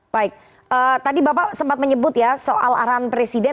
baik tadi bapak sempat menyebut ya soal arahan presiden